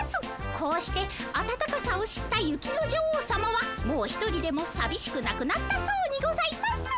こうしてあたたかさを知った雪の女王さまはもう一人でもさびしくなくなったそうにございます。